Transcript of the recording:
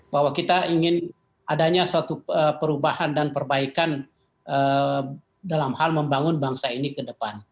bahwa kita ingin adanya suatu perubahan dan perbaikan dalam hal membangun bangsa ini ke depan